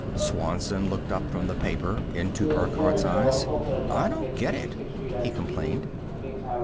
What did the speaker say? Swanson looked up from the paper into Burckhardt's eyes. "I don't get it," he complained.